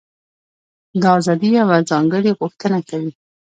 دا ازادي یوه ځانګړې غوښتنه کوي.